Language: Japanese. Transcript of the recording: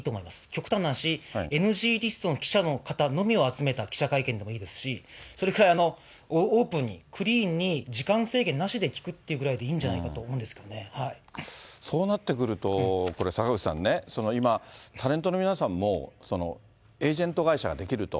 極端な話、ＮＧリストの記者の方のみを集めた記者会見でもいいですし、それくらいオープンに、クリーンに時間制限なしで聞くっていうぐらいでいいんじゃないかそうなってくると、これ、坂口さんね、今、タレントの皆さんも、エージェント会社が出来ると。